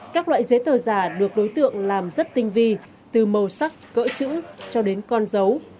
các loại giấy tờ giả được đối tượng làm rất tinh vi từ màu sắc cỡ chữ cho đến con dấu